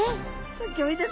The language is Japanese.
すギョいですね。